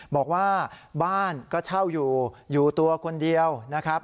บอกว่าบ้านก็เช่าอยู่อยู่ตัวคนเดียวนะครับ